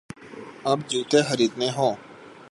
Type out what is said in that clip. اب جوتے خریدنے ہوں۔